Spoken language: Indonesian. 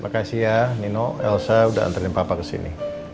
terima kasih ya nino elsa udah anterin papa kesini